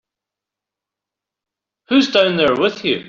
Who's down there with you?